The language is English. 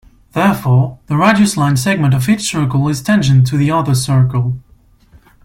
Therefore, the radius line segment of each circle is tangent to the other circle.